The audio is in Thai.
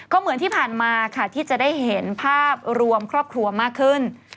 ก็เหมือนที่ผ่านมาค่ะที่จะได้เห็นภาพรวมครอบครัวมากขึ้น